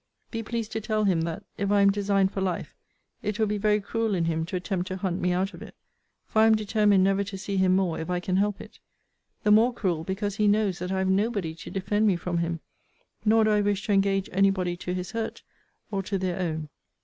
Be pleased to tell him, that, if I am designed for life, it will be very cruel in him to attempt to hunt me out of it; for I am determined never to see him more, if I can help it. The more cruel, because he knows that I have nobody to defend me from him: nor do I wish to engage any body to his hurt, or to their own.